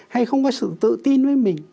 hay không có sự tự tin với mình